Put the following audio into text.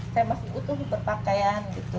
saya masih utuh di perpakaian gitu